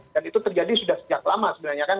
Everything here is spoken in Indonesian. dan itu terjadi sudah sejak lama sebenarnya kan